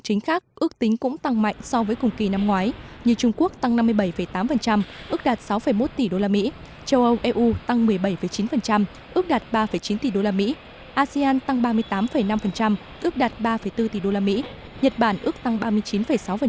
chính khác ước tính cũng tăng mạnh so với cùng kỳ năm ngoái như trung quốc tăng năm mươi bảy tám ước đạt sáu một tỷ đô la mỹ